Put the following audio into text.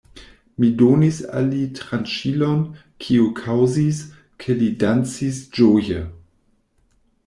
Mi donis al li tranĉilon, kio kaŭzis, ke li dancis ĝoje.